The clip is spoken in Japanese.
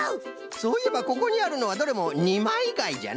そういえばここにあるのはどれもにまいがいじゃな。